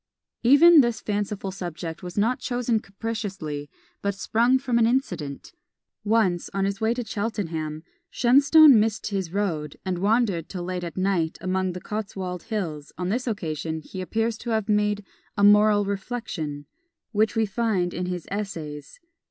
Even this fanciful subject was not chosen capriciously, but sprung from an incident. Once, on his way to Cheltenham, Shenstone missed his road, and wandered till late at night among the Cotswold Hills on this occasion he appears to have made a moral reflection, which we find in his "Essays."